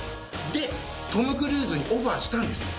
で、トム・クルーズにオファーしたんですよ。